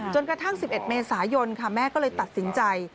กระทั่ง๑๑เมษายนค่ะแม่ก็เลยตัดสินใจ